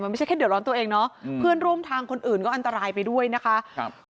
ไม่ใช่แค่เดือดร้อนตัวเองเนาะเพื่อนร่วมทางคนอื่นก็อันตรายไปด้วยนะคะครับ